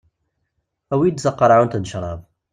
Awi-yi-d taqerɛunt n cṛab.